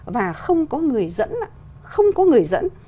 và không có người dẫn